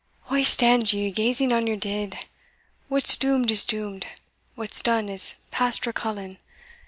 "Why stand you gazing on your deed? What's doomed is doomed what's done is past recalling.